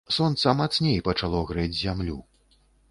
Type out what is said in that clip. Сонца мацней пачало грэць зямлю.